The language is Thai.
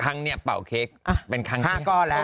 ครั้งนี้เป่าเค้กเป็นครั้ง๕ก้อนแล้ว